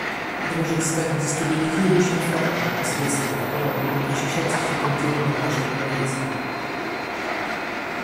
Это может стать дестабилизирующим фактором, последствия которого будут ощущаться за пределами наших границ.